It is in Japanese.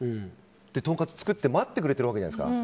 とんかつ作って待ってくれてるわけじゃないですか。